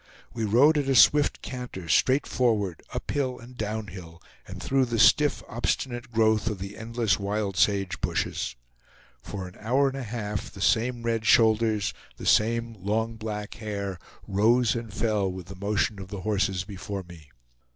We rode at a swift canter straight forward, uphill and downhill, and through the stiff, obstinate growth of the endless wild sage bushes. For an hour and a half the same red shoulders, the same long black hair rose and fell with the motion of the horses before me.